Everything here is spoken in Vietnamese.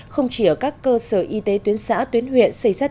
không chỉ ở các cơ sở y tế tuyến xã tuyến huyện xây ra tình trạng